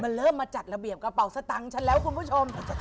มันเริ่มมาจัดระเบียบกระเป๋าสตังค์ฉันแล้วคุณผู้ชม